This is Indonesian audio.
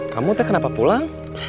kamu teh kenapa pulang